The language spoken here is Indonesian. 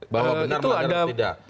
bahwa benar melanggar atau tidak